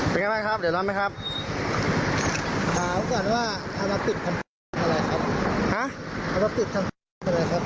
เป็นยังไงบ้างครับเดือดร้อนหรือยังครับ